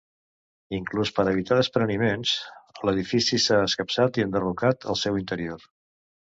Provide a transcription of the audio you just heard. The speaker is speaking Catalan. Inclús, per evitar despreniments, l'edifici s'ha escapçat i enderrocat el seu interior.